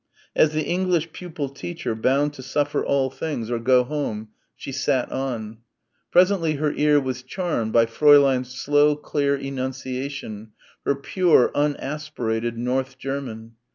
As the English pupil teacher bound to suffer all things or go home, she sat on. Presently her ear was charmed by Fräulein's slow clear enunciation, her pure unaspirated North German.